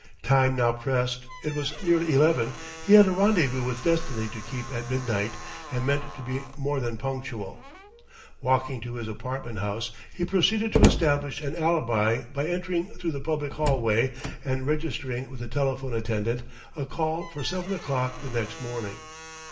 Time now pressed: it was nearly eleven; he had a rendezvous with Destiny to keep at midnight, and meant to be more than punctual. Walking to his apartment house, he proceeded to establish an alibi by entering through the public hallway and registering with the telephone attendant a call for seven o'clock the next morning.